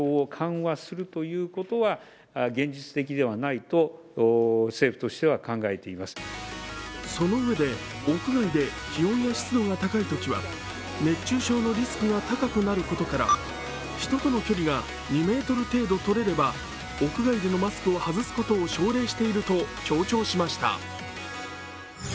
一方、岸田総理はそのうえで屋外で気温や湿度が高いときは熱中症のリスクが高くなることから人との距離が２ｍ程度とれれば屋外でのマスクを外すことを奨励していると強調しました。